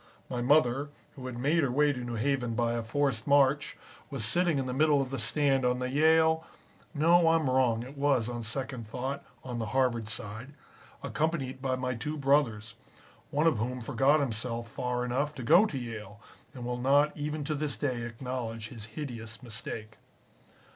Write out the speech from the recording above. My mother, who had made her way to New Haven by a forced march, was sitting in the middle of the stand on the Yale (no, I'm wrong, it was, on second thought, on the Harvard side) accompanied by my two brothers, one of whom forgot himself far enough to go to Yale, and will not even to this day acknowledge his hideous mistake.